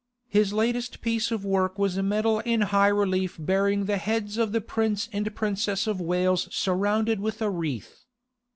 His latest piece of work was a medal in high relief bearing the heads of the Prince and Princess of Wales surrounded with a wreath.